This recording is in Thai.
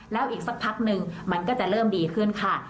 แล้วอีกสักพักนึงมันก็จะเริ่มดีขึ้นค่ะ